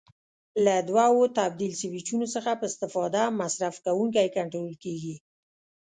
له دوو تبدیل سویچونو څخه په استفاده مصرف کوونکی کنټرول کېږي.